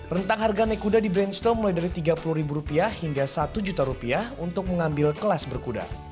rentang harga naik kuda di brainstow mulai dari tiga puluh ribu rupiah hingga satu juta rupiah untuk mengambil kelas berkuda